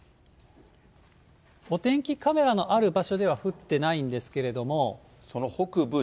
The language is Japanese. お天気カメラのある場所では降ってないんですけれども。